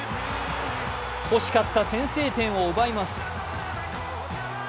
欲しかった先制点を奪います。